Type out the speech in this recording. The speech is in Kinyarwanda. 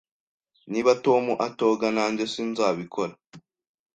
Niba Tom atoga, nanjye sinzabikora.